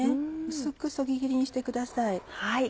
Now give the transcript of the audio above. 薄くそぎ切りにしてください。